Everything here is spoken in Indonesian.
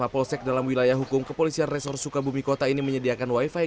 lima belas mapolsek dalam wilayah hukum kepolisian resor sukabumi kota ini menyediakan wifi